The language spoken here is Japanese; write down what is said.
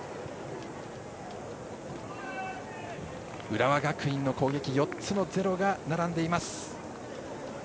浦和学院の攻撃４つの０が並んでいます。